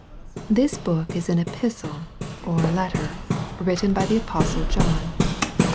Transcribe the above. This book is an Epistle, or Letter, written by the Apostle John.